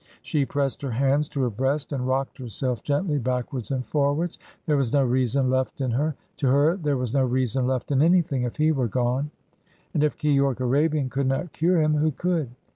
She pressed her hands to her breast and rocked herself gently backwards and forwards. There was no reason left in her. To her there was no reason left in anything if he were gone. And if Keyork Arabian could not cure him, who could?